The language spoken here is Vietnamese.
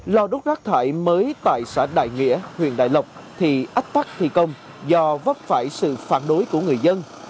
lò đốt rác thải mới tại xã đại nghĩa huyện đại lộc thì ách tắc thi công do vấp phải sự phản đối của người dân